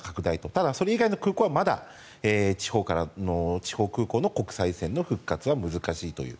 ただ、それ以外の空港はまだ地方空港の国際線の復活は難しいという。